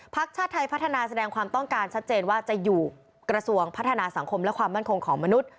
ชาติไทยพัฒนาแสดงความต้องการชัดเจนว่าจะอยู่กระทรวงพัฒนาสังคมและความมั่นคงของมนุษย